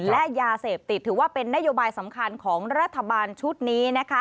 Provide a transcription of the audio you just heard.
และยาเสพติดถือว่าเป็นนโยบายสำคัญของรัฐบาลชุดนี้นะคะ